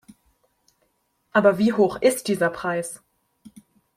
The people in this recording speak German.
Aber wie hoch ist dieser Preis?